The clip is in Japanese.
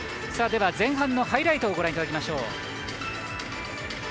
前半のハイライトをご覧いただきましょう。